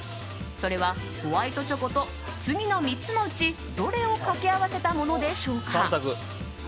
それはホワイトチョコと次の３つのうちどれを掛け合わせたものでしょうか？